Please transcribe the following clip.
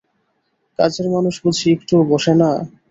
কাজের মানুষ বুঝি একটুও বসে না?